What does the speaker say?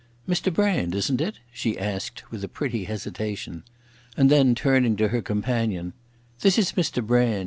"Mr Brand, isn't it?" she asked with a pretty hesitation. And then, turning to her companion—"This is Mr Brand.